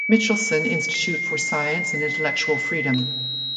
Michelsen Institute for Science and Intellectual freedom.